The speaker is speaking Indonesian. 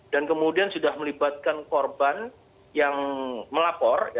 dan kemudian sudah melibatkan korban yang melapor